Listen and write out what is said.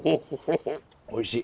おいしい。